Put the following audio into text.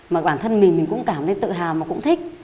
mà bản thân mình mình cũng cảm thấy tự hào và cũng thích